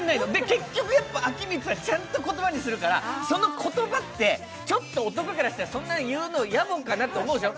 結局、彰充はちゃんと言葉にするから、その言葉って、ちょっと男からしたら、そんな言うのやぼかなと思うでしょ？